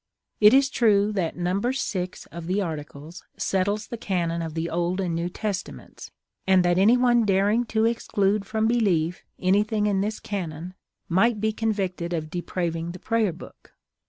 It is true that No. VI. of the Articles settles the canon of the Old and New Testaments, and that anyone daring to exclude from belief anything in this canon might be convicted of depraving the Prayer Book.